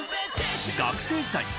学生時代